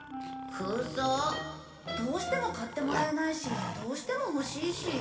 空想？どうしても買ってもらえないしどうしても欲しいし。